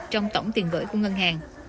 trong tổng tiền gửi của ngân hàng